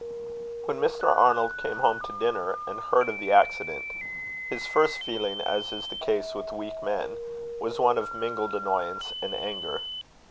When Mr. Arnold came home to dinner, and heard of the accident, his first feeling, as is the case with weak men, was one of mingled annoyance and anger.